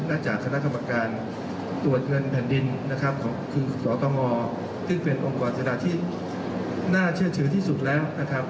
จากคณะกรรมการตรวจเงินแผ่นดินนะครับของคุณสตงซึ่งเป็นองค์กรจิดาที่น่าเชื่อถือที่สุดแล้วนะครับ